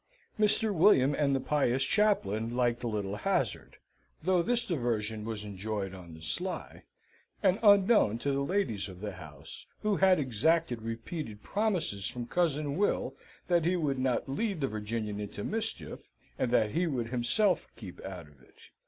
Mr. William and the pious chaplain liked a little hazard; though this diversion was enjoyed on the sly, and unknown to the ladies of the house, who had exacted repeated promises from cousin Will that he would not lead the Virginian into mischief, and that he would himself keep out of it.